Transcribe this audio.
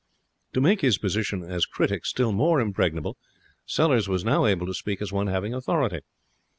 To make his position as critic still more impregnable, Sellers was now able to speak as one having authority.